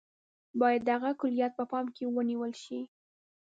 باید د هغه کُلیت په پام کې ونیول شي.